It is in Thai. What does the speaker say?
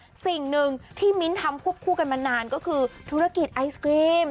สิ่งหนึ่งที่มิ้นท์ทำควบคู่กันมานานก็คือธุรกิจไอศกรีม